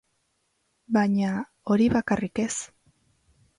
Baina hori bakarrik ez.